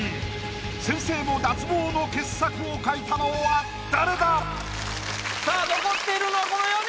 先生も脱帽の傑作を描いたのは誰だ⁉さぁ残っているのはこの４人！